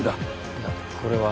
いやこれは。